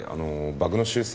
バグの修正